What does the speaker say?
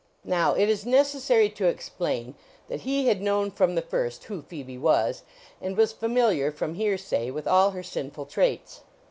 Now, it is necessary to explain that he had known from the first who Phoebe was, and was familiar, from hearsay, with all her sinful traits.